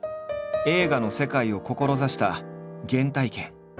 映画の世界を志した原体験。